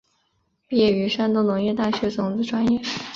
毕业于山东农业大学种子专业。